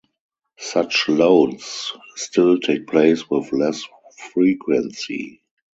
Such loads still take place with less frequency.